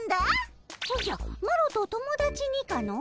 おじゃマロと友達にかの？